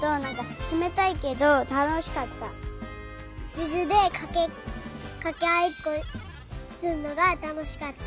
みずでかけあいっこするのがたのしかった。